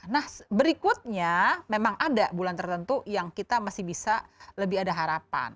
nah berikutnya memang ada bulan tertentu yang kita masih bisa lebih ada harapan